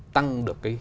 tăng được cái